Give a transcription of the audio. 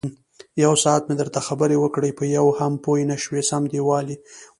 یوساعت مې درته خبرې وکړې، په یوه هم پوی نشوې سم دېوال یې.